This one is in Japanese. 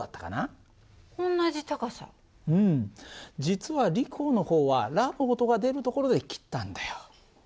実はリコの方はラの音が出るところで切ったんだよ。